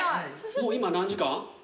もう今何時間？